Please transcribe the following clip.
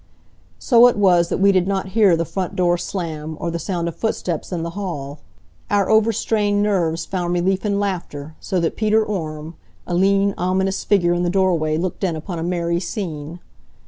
So it was that we did not hear the front door slam, or the sound of footsteps in the hall. Our overstrained nerves found relief in laughter, so that Peter Orme, a lean, ominous figure in the doorway looked in upon a merry scene.